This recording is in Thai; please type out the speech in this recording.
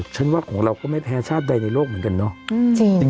ฉันว่าของเราก็ไม่แพ้ชาติใดในโลกเหมือนกันเนาะ